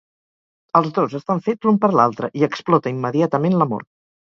Els dos estan fets l'un per l'altre i explota immediatament l'amor.